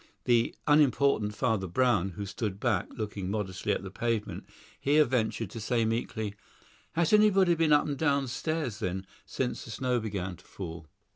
The unimportant Father Brown, who stood back, looking modestly at the pavement, here ventured to say meekly, "Has nobody been up and down stairs, then, since the snow began to fall?